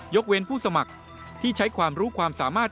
เว้นผู้สมัครที่ใช้ความรู้ความสามารถ